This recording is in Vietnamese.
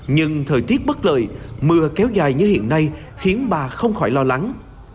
nhưng thời tiết bất lợi mưa kéo dài như hiện nay khiến bà không khỏi lo lắng